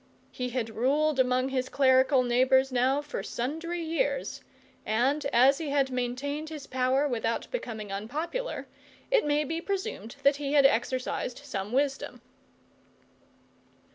He had ruled among his clerical neighbours now for sundry years, and as he had maintained his power without becoming unpopular, it may be presumed that he had exercised some wisdom.